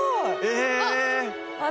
え